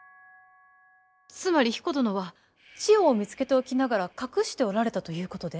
つまり彦殿は千代を見つけておきながら隠しておられたということで？